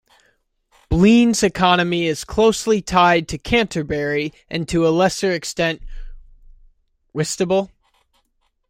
Blean's economy is closely tied to Canterbury and to a lesser extent, Whitstable.